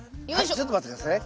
ちょっと待って下さい。